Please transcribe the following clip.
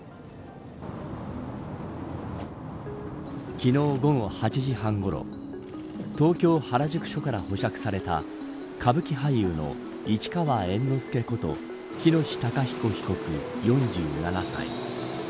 昨日午後８時半ごろ東京、原宿署から保釈された歌舞伎俳優の市川猿之助こと喜熨斗孝彦被告、４７歳。